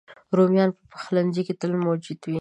رومیان په پخلنځي کې تل موجود وي